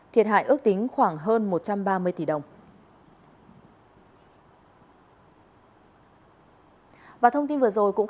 thiệt hại ước tính khoảng hơn một trăm ba mươi tỷ đồng